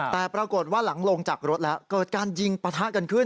แต่ปรากฏว่าหลังลงจากรถแล้วเกิดการยิงปะทะกันขึ้น